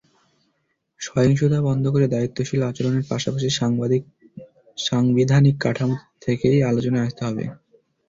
সহিংসতা বন্ধ করে দায়িত্বশীল আচরণের পাশাপাশি সাংবিধানিক কাঠামোতে থেকেই আলোচনায় আসতে হবে।